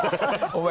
お前